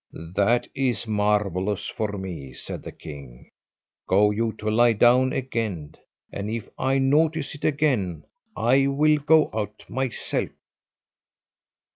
"That is marvellous for me," said the king: "go you to lie down again, and if I notice it again I will go out myself."